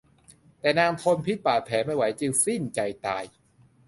แต่นางทนพิษบาดแผลไม่ไหวจึงสิ้นใจตาย